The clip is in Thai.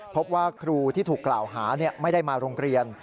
พบว่าครูที่ถูกกล่าวหาไม่ได้มาโรงเรียน